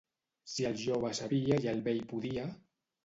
Si el jove sabia i el vell podia...